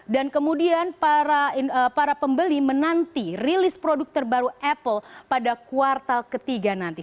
dan kemudian para pembeli menanti rilis produk terbaru apple pada kuartal ketiga nanti